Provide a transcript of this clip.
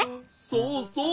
そうそう！